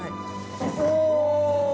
お！